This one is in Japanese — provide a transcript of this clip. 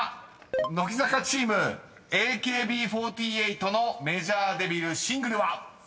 ［乃木坂チーム「ＡＫＢ４８」のメジャーデビューシングルは？］